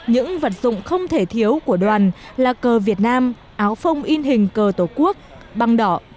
những vật dụng không thể thiếu của đoàn là cờ việt nam áo phông in hình cờ tổ quốc băng đỏ